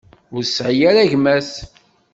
Ur tesɛi ara gma-s.